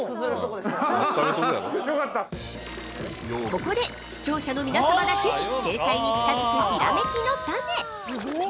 ◆ここで視聴者の皆様だけに正解に近づくひらめきのタネ